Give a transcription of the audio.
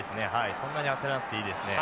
そんなに焦らなくていいですね。